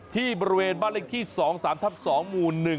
ที่บริเวณบ้านเลขที่๒๓๐๒หมู๑